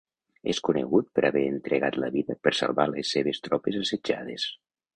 És conegut per haver entregat la vida per salvar les seves tropes assetjades.